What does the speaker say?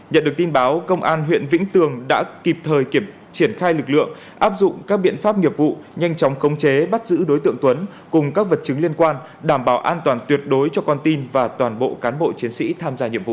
nhận được tin báo công an huyện vĩnh tường đã kịp thời triển khai lực lượng áp dụng các biện pháp nghiệp vụ nhanh chóng khống chế bắt giữ đối tượng tuấn cùng các vật chứng liên quan đảm bảo an toàn tuyệt đối cho con tin và toàn bộ cán bộ chiến sĩ tham gia nhiệm vụ